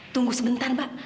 tunggu sebentar pak